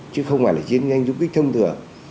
chứ không phải là chiến tranh du kích thông thường